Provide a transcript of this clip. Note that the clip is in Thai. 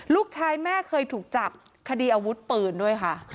ลูกชายแม่เคยถูกจับคดีอาวุธปืนด้วยค่ะ